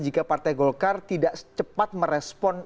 jika partai golkar tidak secepat merespon